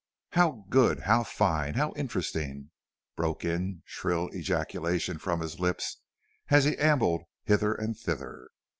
"How good! how fine! how interesting!" broke in shrill ejaculation from his lips as he ambled hither and thither.